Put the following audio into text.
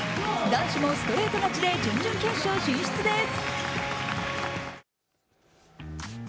男子もストレート勝ちで準々決勝進出です。